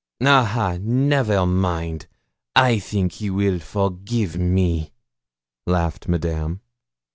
'Ah, ha! Never mind; I think he will forgive me,' laughed Madame.